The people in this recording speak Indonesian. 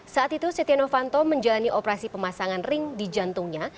saat itu setia novanto menjalani operasi pemasangan ring di jantungnya